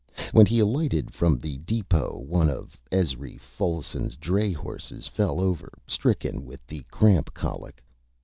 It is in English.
When he alighted from the depot one of Ezry Folloson's Dray Horses fell over, stricken with the Cramp Colic.